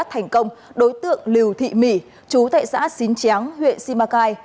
hành công đối tượng lưu thị mỹ chú tại xã xín tráng huyện simacai